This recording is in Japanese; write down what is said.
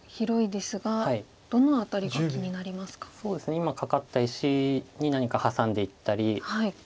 今カカった石に何かハサんでいったり。